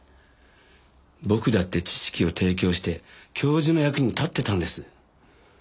僕だって知識を提供して教授の役に立ってたんです。